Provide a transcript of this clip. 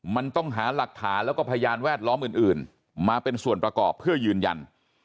มันต้องหาหลักฐานแล้วก็พยานแวดล้อมอื่นมาเป็นส่วนประกอบเพื่อยืนยัน